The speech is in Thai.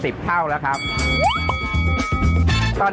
ปู่พญานาคี่อยู่ในกล่อง